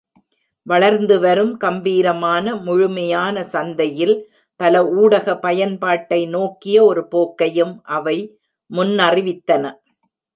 வளர்ந்து வரும், கம்பீரமான, முழுமையான சந்தையில் பல ஊடக பயன்பாட்டை நோக்கிய ஒரு போக்கையும் அவை முன்னறிவித்தன.